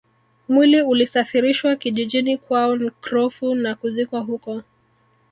Mwili ulisafirishwa kijijini kwao Nkrofu na kuzikwa huko